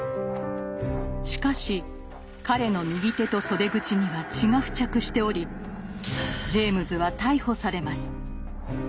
しかし彼の右手と袖口には血が付着しておりジェイムズは逮捕されます。